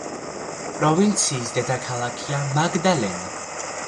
პროვინციის დედაქალაქია მაგდალენა.